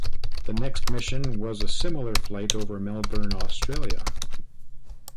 The next mission was a similar flight over Melbourne, Australia.